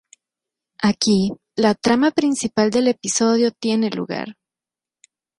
Aquí, la trama principal del episodio tiene lugar.